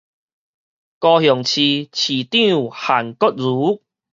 高雄市市長韓國瑜